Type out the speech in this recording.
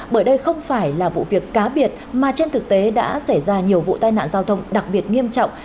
bởi đây không phải là vụ việc cá biệt mà trên thực tế đã xảy ra nhiều vụ tai nạn giao thông đặc biệt nghiêm trọng